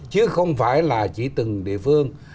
chứ không phải là chỉ từng địa phương